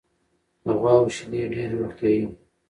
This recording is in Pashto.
د غواوو شیدې ډېرې روغتیایي دي.